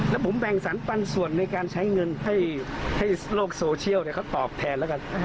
แล้วผมแบ่งสรรปันส่วนในการใช้เงินให้โลกโซเชียลเขาตอบแทนแล้วกัน